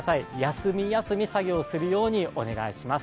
休み休み作業するようにお願いします。